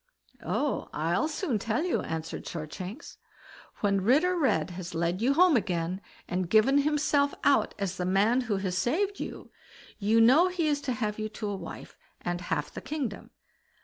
"Oh, I'll soon tell you", answered Shortshanks. "When Ritter Red has led you home again, and given himself out as the man who has saved you, you know he is to have you to wife, and half the kingdom.